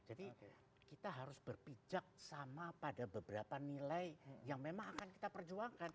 jadi kita harus berpijak sama pada beberapa nilai yang memang akan kita perjuangkan